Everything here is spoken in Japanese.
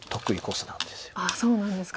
そうなんですか。